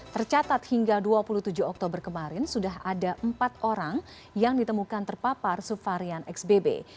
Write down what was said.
tercatat hingga dua puluh tujuh oktober kemarin sudah ada empat orang yang ditemukan terpapar suvarian xbb